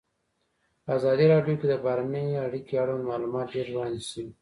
په ازادي راډیو کې د بهرنۍ اړیکې اړوند معلومات ډېر وړاندې شوي.